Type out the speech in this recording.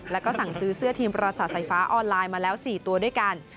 แล้วก็สั่งซื้อเสื้อทีมประสาทไฟฟ้าออนไลน์มาแล้ว๔ตัวด้วยกัน